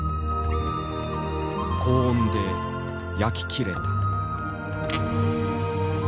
高温で焼き切れた。